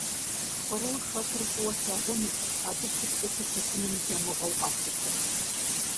Кърур хэкур фӀыуэ лъагъуным, абы щыпкъэу хущытыным и дамыгъэу къалъытэ.